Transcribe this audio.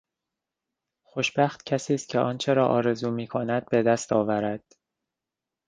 خوشبخت کسی است که آنچه را آرزو میکند بدست آورد.